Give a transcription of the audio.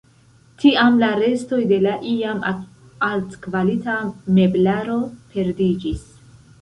Tiam la restoj de la iam altkvalita meblaro perdiĝis.